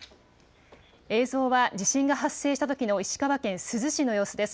映像は地震が発生したときの石川県珠洲市の様子です。